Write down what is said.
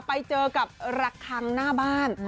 ไปเจอกับระคังหน้าบ้าน